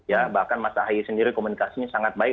ya bahkan mas ahaye sendiri komunikasinya sangat baik